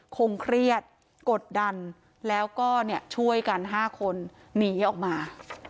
คงเครียดกดดันแล้วก็ช่วยกัน๕คนหนีออกมา